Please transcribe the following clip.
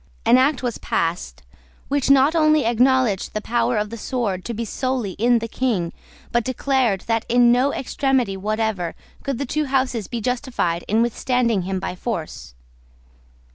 An act was passed, which not only acknowledged the power of the sword to be solely in the King, but declared that in no extremity whatever could the two Houses be justified in withstanding him by force.